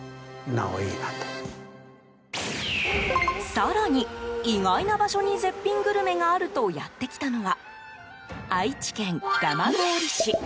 更に、意外な場所に絶品グルメがあるとやってきたのは、愛知県蒲郡市。